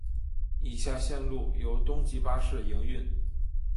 以下路线由东急巴士营运。